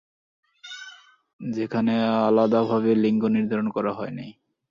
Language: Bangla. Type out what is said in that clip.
যেখানে আলাদাভাবে লিঙ্গ নির্ধারণ করা হয়নি।